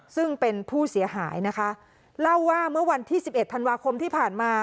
ซึ่งเป็นผู้เสียหายนะคะเล่าว่าเมื่อวันที่สิบเอ็ดธันวาคมที่ผ่านมา